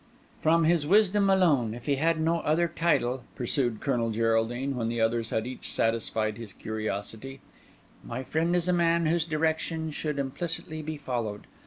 "From his wisdom alone, if he had no other title," pursued Colonel Geraldine, when the others had each satisfied his curiosity, "my friend is a man whose directions should implicitly be followed.